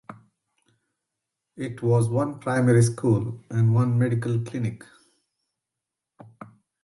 It has one primary school and one medical clinic.